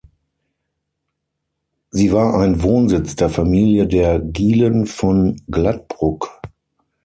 Sie war ein Wohnsitz der Familie der Gielen von Glattbrugg.